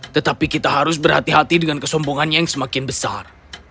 tetapi kita harus berhati hati dengan kesombongannya yang semakin besar